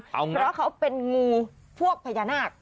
เพราะเขาเป็นงูพวกพญานาค